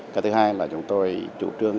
cái thứ hai là chúng tôi chủ trương